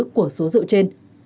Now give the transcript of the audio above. của số rượu trên